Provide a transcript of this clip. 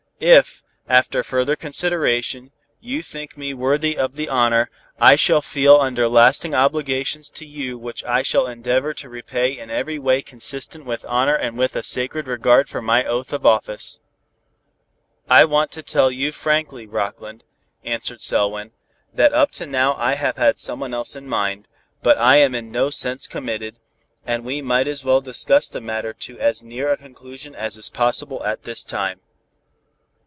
If, after further consideration, you think me worthy of the honor, I shall feel under lasting obligations to you which I shall endeavor to repay in every way consistent with honor and with a sacred regard for my oath of office." "I want to tell you frankly, Rockland," answered Selwyn, "that up to now I have had someone else in mind, but I am in no sense committed, and we might as well discuss the matter to as near a conclusion as is possible at this time."